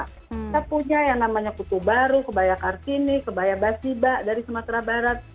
kita punya yang namanya kutu baru kebaya kartini kebaya basiba dari sumatera barat